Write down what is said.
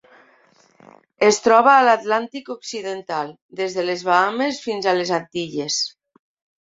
Es troba a l'Atlàntic occidental: des de les Bahames fins a les Antilles.